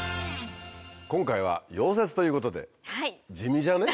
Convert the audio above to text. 今回は溶接ということで地味じゃね？